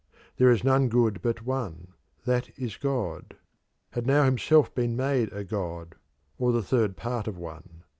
There is none good but one, that is God," had now himself been made a god or the third part of one.